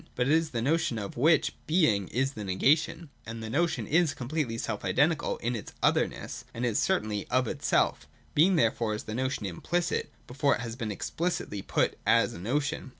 But it is the notion, of which Being is the negation : and the notion is completely self identical in its otherness, and is the certainty of itself Being therefore is the notion implicit, before it has been explicitly put as a notion.